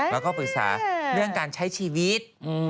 แล้วก็ปรึกษาเรื่องการใช้ชีวิต